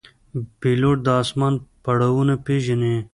پیلوټ د آسمان پړاوونه پېژني.